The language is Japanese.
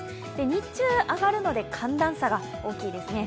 日中は上がるので寒暖差が大きいですね。